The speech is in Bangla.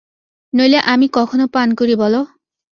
নইলে, আমি কখনো পান করি বলো?